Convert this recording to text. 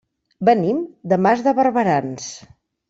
Venim de Mas de Barberans.